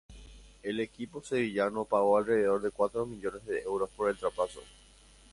El equipo sevillano pagó alrededor de cuatro millones de euros por el traspaso.